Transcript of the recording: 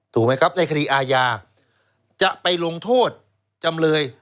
ถูกไหมครับในคดีอาญาจะไปลงโทษจำเลย